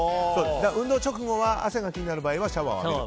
運動直後は、汗が気になる場合はシャワーを浴びると。